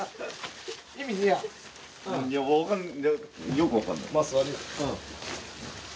よくわかんない。